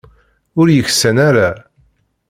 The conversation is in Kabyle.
Ur yeksan ara.